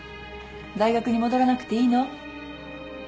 大学に戻らなくていいの？